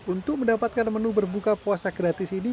untuk mendapatkan menu berbuka puasa gratis ini